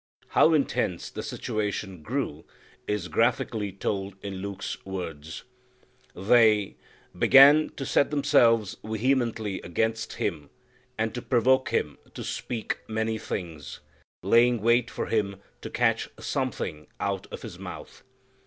How intense the situation grew is graphically told in Luke's words, they "began to set themselves vehemently against Him, and to provoke Him to speak many things; laying wait for Him to catch something out of His mouth."